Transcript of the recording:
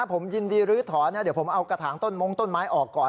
ผมยินดีลื้อถอนนะเดี๋ยวผมเอากระถางต้นมงต้นไม้ออกก่อน